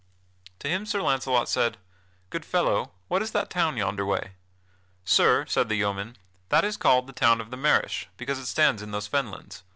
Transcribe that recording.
To him Sir Launcelot said: "Good fellow, what town is that yonderway?" "Sir," said the yeoman, "that is called the Town of the Marish because it stands in these Fenlands.